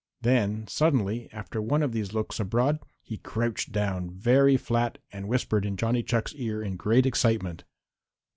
Then suddenly, after one of these looks abroad, he crouched down very flat and whispered in Johnny Chuck's ear in great excitement.